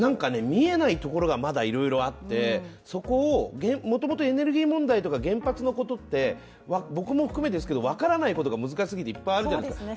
見えないところがまだいろいろあってそこをもともとエネルギー問題とか原発のことって僕も含めてですけれども、難しすぎて分からないことがいっぱいあるじゃないですか。